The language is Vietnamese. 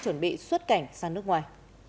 lê hồng bích đã xuất cảnh sang nước ngoài